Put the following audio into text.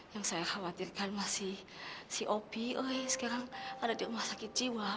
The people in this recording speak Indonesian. yang saya khawatirkan masih cop oh sekarang ada di rumah sakit jiwa